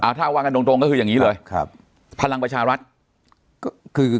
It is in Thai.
ถ้าวางกันตรงตรงก็คืออย่างนี้เลยครับพลังประชารัฐก็คือ